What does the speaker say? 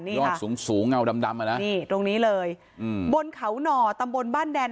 ยอดสูงสูงเงาดำดำอ่ะนะนี่ตรงนี้เลยอืมบนเขาหน่อตำบลบ้านแดน